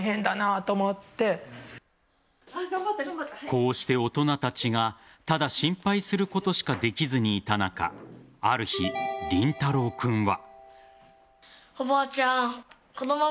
こうして大人たちがただ心配することしかできずにいた中ある日、凛太郎君は。